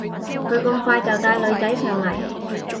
佢咁快就帶女仔上嚟